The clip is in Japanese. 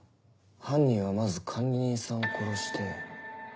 犯人はまず管理人さんを殺して。